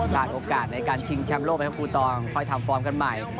โอกาสในการชิงแชมป์โลกไปครับครูตองค่อยทำฟอร์มกันใหม่